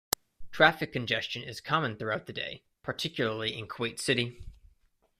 Traffic congestion is common throughout the day, particularly in Kuwait City.